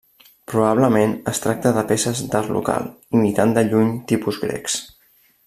Probablement es tracta de peces d’art local, imitant de lluny tipus grecs.